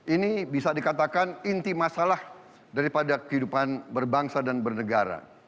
ini bisa dikatakan inti masalah daripada kehidupan berbangsa dan bernegara